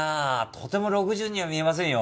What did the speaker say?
とても６０には見えませんよ。